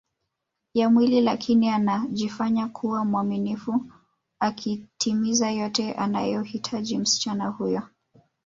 ya mwili lakini anajifanya kuwa mwaminifu akitimiza yote anayoyahitaji msichana huyo